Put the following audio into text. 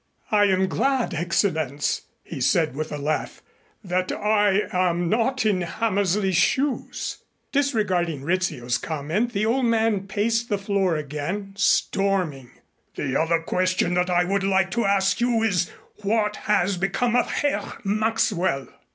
"I am glad, Excellenz," he said with a laugh, "that I am not in Hammersley's shoes." Disregarding Rizzio's comment, the old man paced the floor again, storming. "The other question that I would like to ask you is, what has become of Herr Maxwell?"